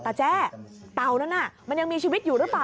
แจ้เต่านั้นมันยังมีชีวิตอยู่หรือเปล่า